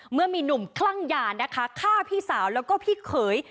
เมื่อมีหนุ่มคลั่งยานะคะฆ่าพี่สาวแล้วก็พี่เขย